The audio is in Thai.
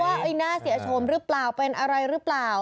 เออว่าอีห์น่าเสียชมรึเปล่าเป็นอะไรรึเปล่า